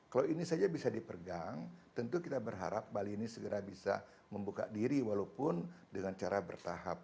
kalau ini saja bisa dipergang tentu kita berharap bali ini segera bisa membuka diri walaupun dengan cara bertahap